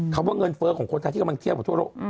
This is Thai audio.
ว่าเงินเฟ้อของคนไทยที่กำลังเทียบกับทั่วโลก